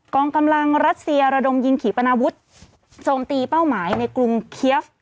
กองกำลังรัสเซียระดมยิงขี่ปนาวุฒิโจมตีเป้าหมายในกรุงเคียฟ